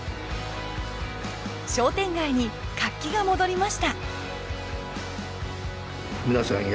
商店街に活気が戻りました。